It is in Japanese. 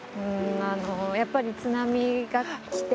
やっぱり津波が来て。